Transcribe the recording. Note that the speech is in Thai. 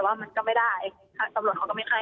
มันก็ไม่ได้ตำรวจเขาก็ไม่ให้